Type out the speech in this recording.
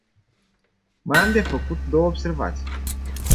Mai am de făcut două observații.